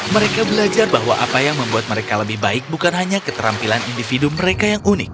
mereka belajar bahwa apa yang membuat mereka lebih baik bukan hanya keterampilan individu mereka yang unik